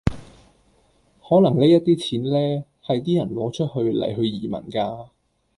可能呢一啲錢呢，係啲人攞出嚟去移民㗎